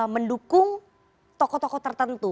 mendukung toko toko tertentu